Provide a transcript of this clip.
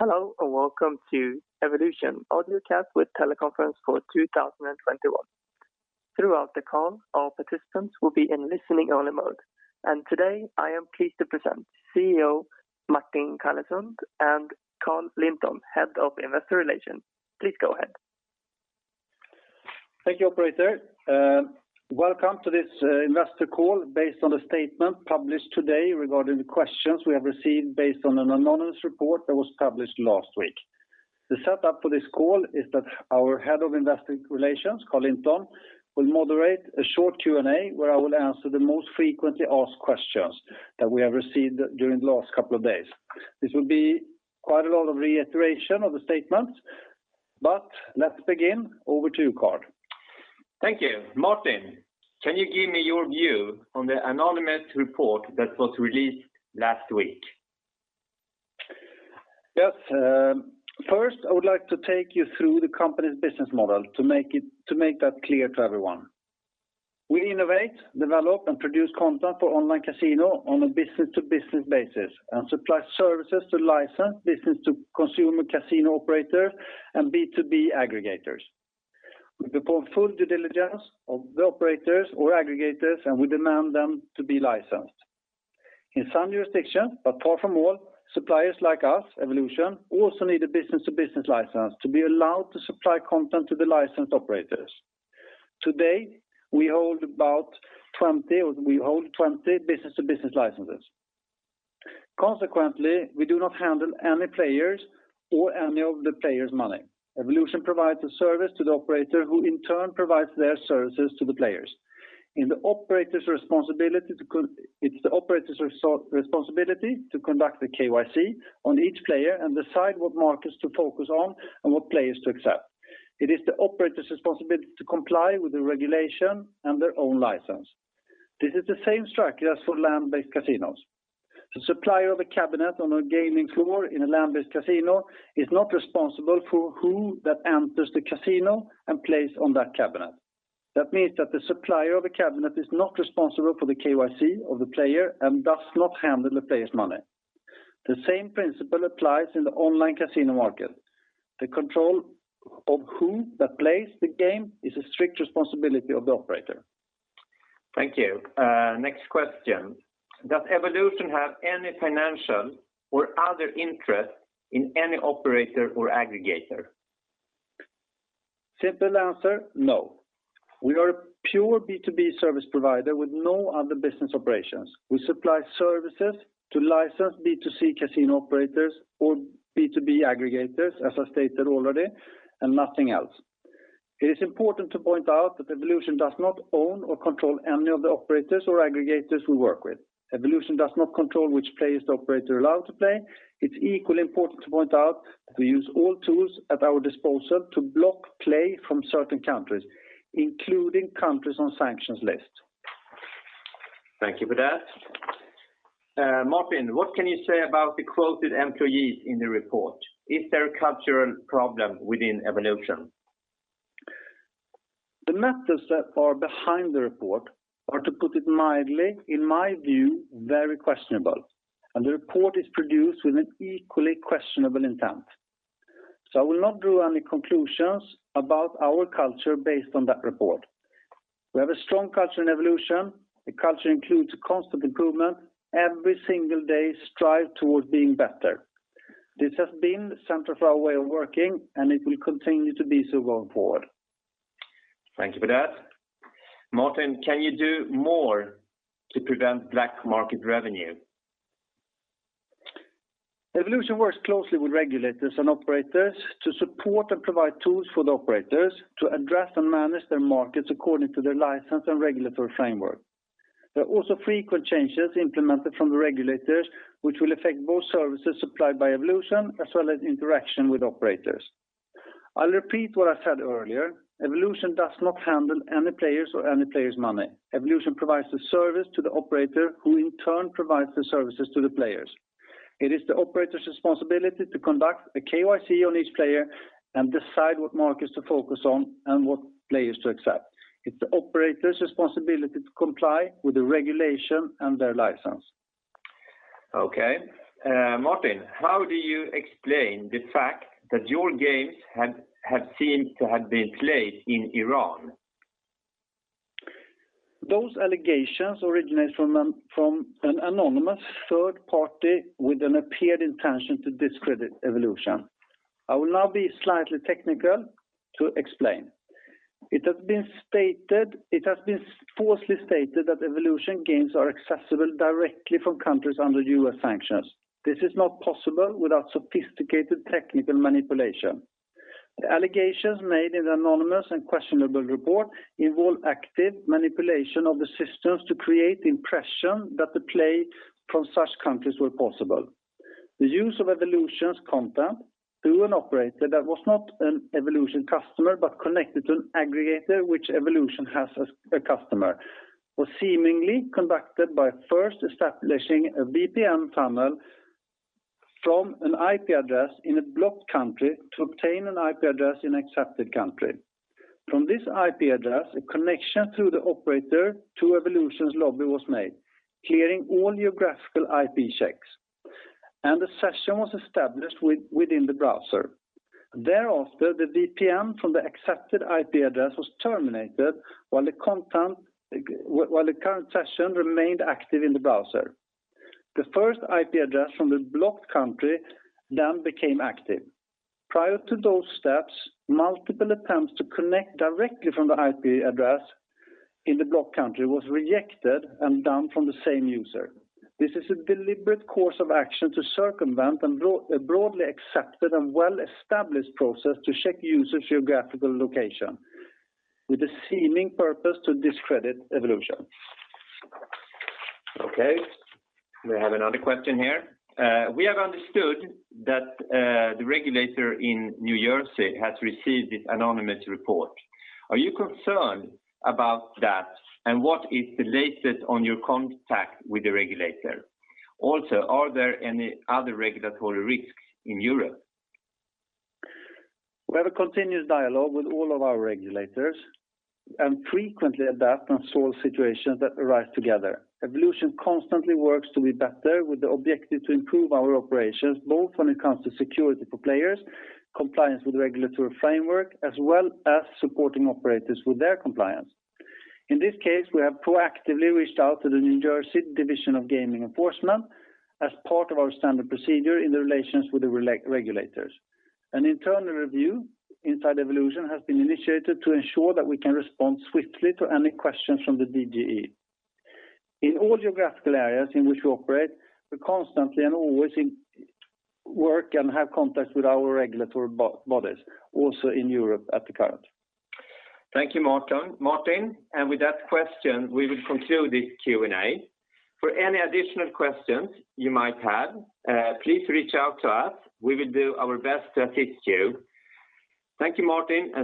Hello and welcome to Evolution Online Chat with Teleconference for 2021. Throughout the call, all participants will be in listening-only mode. Today, I am pleased to present CEO Martin Carlesund and Carl Linton, Head of Investor Relations. Please go ahead. Thank you, operator. Welcome to this investor call based on the statement published today regarding the questions we have received based on an anonymous report that was published last week. The setup for this call is that our Head of Investor Relations, Carl Linton, will moderate a short Q&A, where I will answer the most frequently asked questions that we have received during the last couple of days. This will be quite a lot of reiteration of the statement, but let's begin. Over to you, Carl. Thank you. Martin, can you give me your view on the anonymous report that was released last week? Yes. First, I would like to take you through the company's business model to make that clear to everyone. We innovate, develop, and produce content for online casino on a business-to-business basis and supply services to licensed B2C casino operators and B2B aggregators. We perform full due diligence of the operators or aggregators, and we demand them to be licensed. In some jurisdictions, but far from all, suppliers like us, Evolution, also need a business-to-business license to be allowed to supply content to the licensed operators. Today, we hold 20 business-to-business licenses. Consequently, we do not handle any players or any of the players' money. Evolution provides a service to the operator, who in turn provides their services to the players. It's the operator's responsibility to conduct the KYC on each player and decide what markets to focus on and what players to accept. It is the operator's responsibility to comply with the regulation and their own license. This is the same structure as for land-based casinos. The supplier of a cabinet on a gaming floor in a land-based casino is not responsible for who enters the casino and plays on that cabinet. That means that the supplier of the cabinet is not responsible for the KYC of the player and does not handle the player's money. The same principle applies in the online casino market. The control of who plays the game is a strict responsibility of the operator. Thank you. Next question. Does Evolution have any financial or other interest in any operator or aggregator? Simple answer, no. We are a pure B2B service provider with no other business operations. We supply services to licensed B2C casino operators or B2B aggregators, as I stated already, and nothing else. It is important to point out that Evolution does not own or control any of the operators or aggregators we work with. Evolution does not control which players the operator allows to play. It's equally important to point out that we use all tools at our disposal to block play from certain countries, including countries on sanctions list. Thank you for that. Martin, what can you say about the quoted employees in the report? Is there a cultural problem within Evolution? The methods that are behind the report are, to put it mildly, in my view, very questionable, and the report is produced with an equally questionable intent. I will not draw any conclusions about our culture based on that report. We have a strong culture in Evolution. The culture includes constant improvement. Every single day strive towards being better. This has been central for our way of working, and it will continue to be so going forward. Thank you for that. Martin, can you do more to prevent black market revenue? Evolution works closely with regulators and operators to support and provide tools for the operators to address and manage their markets according to their license and regulatory framework. There are also frequent changes implemented from the regulators, which will affect both services supplied by Evolution, as well as interaction with operators. I'll repeat what I said earlier. Evolution does not handle any players or any players' money. Evolution provides the service to the operator, who in turn provides the services to the players. It is the operator's responsibility to conduct a KYC on each player and decide what markets to focus on and what players to accept. It's the operator's responsibility to comply with the regulation and their license. Okay. Martin, how do you explain the fact that your games have seemed to have been played in Iran? Those allegations originate from an apparent intention to discredit Evolution. I will now be slightly technical to explain. It has been falsely stated that Evolution games are accessible directly from countries under U.S. sanctions. This is not possible without sophisticated technical manipulation. The allegations made in the anonymous and questionable report involve active manipulation of the systems to create the impression that the play from such countries were possible. The use of Evolution's content through an operator that was not an Evolution customer, but connected to an aggregator which Evolution has as a customer, was seemingly conducted by first establishing a VPN tunnel from an IP address in a blocked country to obtain an IP address in an accepted country. From this IP address, a connection through the operator to Evolution's lobby was made, clearing all geographical IP checks, and the session was established within the browser. Thereafter, the VPN from the accepted IP address was terminated while the current session remained active in the browser. The first IP address from the blocked country then became active. Prior to those steps, multiple attempts to connect directly from the IP address in the blocked country was rejected and done from the same user. This is a deliberate course of action to circumvent a broadly accepted and well-established process to check user's geographical location with the seeming purpose to discredit Evolution. Okay, we have another question here. We have understood that the regulator in New Jersey has received this anonymous report. Are you concerned about that? What is the latest on your contact with the regulator? Also, are there any other regulatory risks in Europe? We have a continuous dialogue with all of our regulators and frequently adapt and solve situations that arise together. Evolution constantly works to be better with the objective to improve our operations, both when it comes to security for players, compliance with regulatory framework, as well as supporting operators with their compliance. In this case, we have proactively reached out to the New Jersey Division of Gaming Enforcement as part of our standard procedure in the relations with the regulators. An internal review inside Evolution has been initiated to ensure that we can respond swiftly to any questions from the DGE. In all geographical areas in which we operate, we constantly and always work and have contacts with our regulatory bodies, also in Europe at the current. Thank you, Martin. Martin, with that question, we will conclude this Q&A. For any additional questions you might have, please reach out to us. We will do our best to assist you. Thank you, Martin, and thank you.